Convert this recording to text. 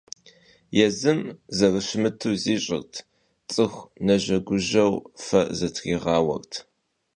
Езым зэрыщымыту зищӀырт, цӀыху нэжэгужэу фэ зытригъауэрт.